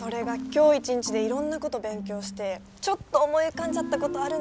今日一日でいろんなこと勉強してちょっと思い浮かんじゃったことあるんですよね。